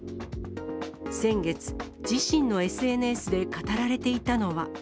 先月、自身のＳＮＳで語られていたのは。